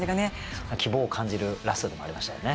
希望を感じるラストでもありましたよね。